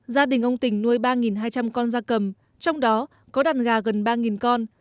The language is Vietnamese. gia đình ông tỉnh nuôi ba hai trăm linh con da cầm trong đó có đàn gà gần ba con